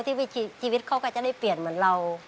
ชีวิตเขาก็จะได้เปลี่ยนเหมือนเรา